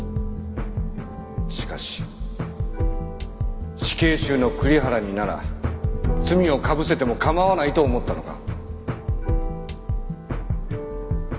しかし死刑囚の栗原になら罪を被せても構わないと思ったのか？